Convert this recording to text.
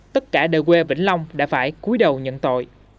tất cả đều quê vĩnh long đã phải cuối đầu nhận tội